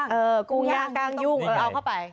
๑๐กิโลกรัมกรูงยางกลางยุ่งเอาเข้าไป